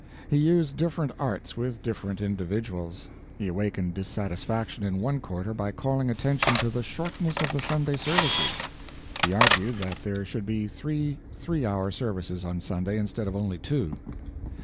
He used different arts with different individuals. He awakened dissatisfaction in one quarter by calling attention to the shortness of the Sunday services; he argued that there should be three three hour services on Sunday instead of only two.